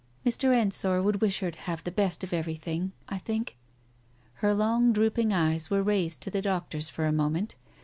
Mr. Ensor would wish her to have the best of everything, ... I think? ..." Her long drooping eyes were raised to the doctor's for a moment.